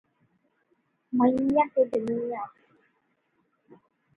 Kariwa has three public elementary schools and one public middle school.